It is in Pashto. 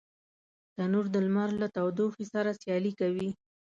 تنور د لمر له تودوخي سره سیالي کوي